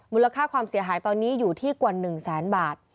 มูลค่าความเสียหายตอนนี้อยู่ที่กว่า๑แสนบาท